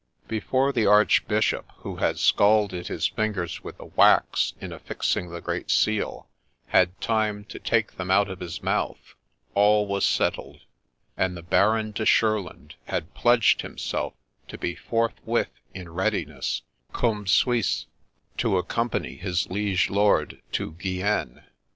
Before the archbishop, who had scalded his fingers with the wax in affixing the great seal, had time to take them out of his mouth, all was settled, and the Baron de Shurland had pledged himself to be forthwith in readiness, cum suis, to accompany his liege lord to Guienne.